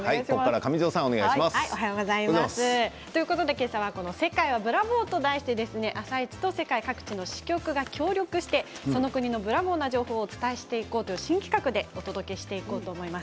今朝は「世界はブラボー！」と題して「あさイチ」世界各地の支局が協力して、その国のブラボーな情報をお伝えしていこうという新企画です。